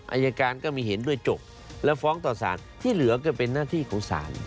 อายการก็มีเห็นด้วยจบแล้วฟ้องต่อสารที่เหลือก็เป็นหน้าที่ของศาล